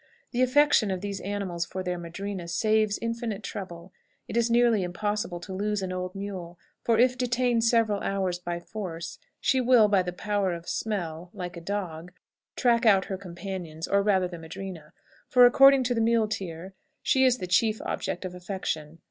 The affection of these animals for their madrina saves infinite trouble. It is nearly impossible to lose an old mule, for, if detained several hours by force, she will, by the power of smell, like a dog, track out her companions, or rather the madrina; for, according to the muleteer, she is the chief object of affection.